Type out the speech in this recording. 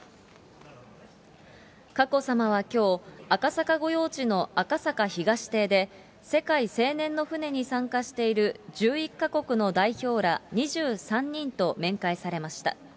佳子さまはきょう、赤坂御用地の赤坂東邸で、世界青年の船に参加している１１か国の代表ら２３人と面会されました。